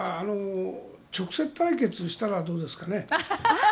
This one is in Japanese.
直接対決したらどうですかね。